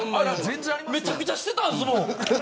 めちゃくちゃしてたんすもん。